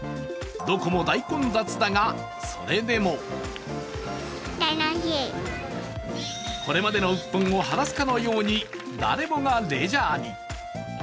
どこも大混雑だが、それでもこれまでのうっぷんを晴らすかのように誰もがレジャーに。